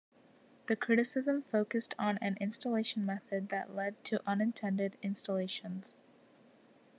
The criticism focused on an installation method that led to unintended installations.